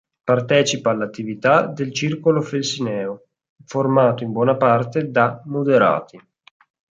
Partecipa all'attività del Circolo Felsineo, formato in buona parte da moderati.